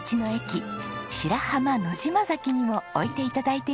白浜野島崎にも置いて頂いています。